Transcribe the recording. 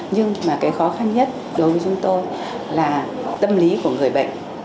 nhưng mà cái khó khăn nhất đối với chúng tôi là tâm lý của người bệnh